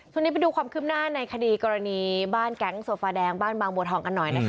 ไปดูความคืบหน้าในคดีกรณีบ้านแก๊งโซฟาแดงบ้านบางบัวทองกันหน่อยนะคะ